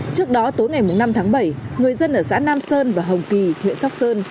trước đó tối ngày năm tháng bảy người dân ở xã nam sơn và hồng kỳ huyện sóc sơn